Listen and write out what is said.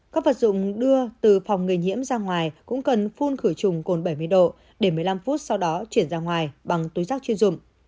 các vật dụng đưa từ phòng người nhiễm ra ngoài cũng cần phun khử trùng cồn bảy mươi độ để một mươi năm phút sau đó chuyển ra ngoài bằng túi rác chuyên dụng